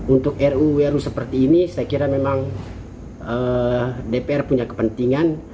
untuk ruu ru seperti ini saya kira memang dpr punya kepentingan